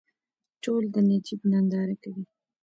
ټول د نجیب ننداره کوي.